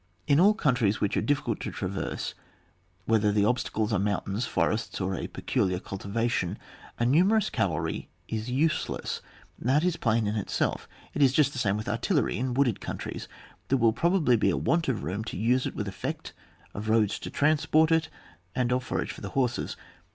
In all countries ^hich are difficult to traverse, whether the obstacles are moun tains, forests, or a peculiar cultivation, a numerous cavalry is useless : that is plain in itself; it is just the same with artillery in wooded countries ; there will probably be a want of room to use it with effect, of roads to transport it, and of forage for the horses.